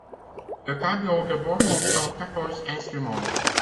Le tableau de bord comprend quatorze instruments.